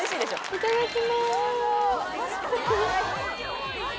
いただきます。